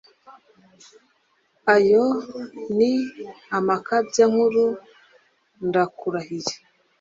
ayo n’amakabya nkuru ndakurahiye